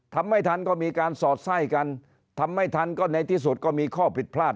ทำไม่ทันก็มีการสอดไส้กันทำไม่ทันก็ในที่สุดก็มีข้อผิดพลาด